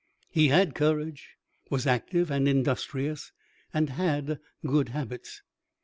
He had courage, was active and industrious, and had good habits.